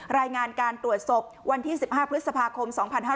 รายงานการตรวจศพวันที่๑๕พฤษภาคม๒๕๕๙